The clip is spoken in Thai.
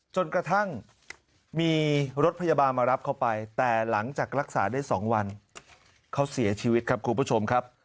จนกระทั่งมีรถพยาบาลมารับเขาไปแต่หลังจากรักษาได้๒วันเขาเสียชีวิตครับคุณผู้ชมครับ